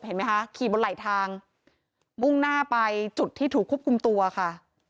เห็นไหมคะขี่บนไหลทางมุ่งหน้าไปจุดที่ถูกควบคุมตัวค่ะ